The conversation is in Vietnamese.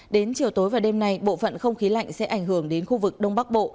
đến chiều tối và đêm nay bộ phận không khí lạnh sẽ ảnh hưởng đến khu vực đông bắc bộ